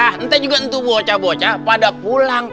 entah juga untuk bocah bocah pada pulang